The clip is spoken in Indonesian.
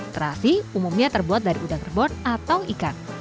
terasi umumnya terbuat dari udang kerbon atau ikan